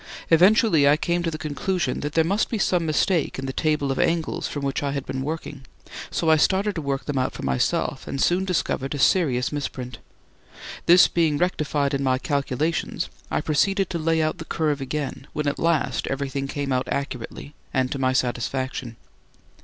Eventually I came to the conclusion that there must be some mistake in the table of angles from which I had been working, so I started to work them out for myself and soon discovered a serious misprint. This being rectified in my calculations, I proceeded to lay out the curve again, when at last everything came out accurately and to my satisfaction.